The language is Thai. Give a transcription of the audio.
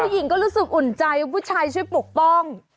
หญิงก็รู้สึกอุ่นใจผู้ชายช่วยปกป้อง